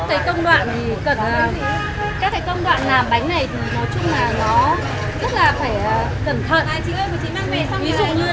thì thanh nhẹ mát rượi